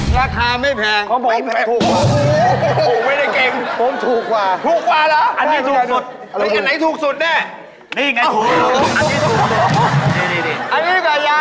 ราคาไม่แพง